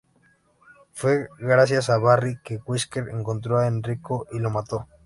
Fue gracias a Barry que Wesker encontró a Enrico y lo mató.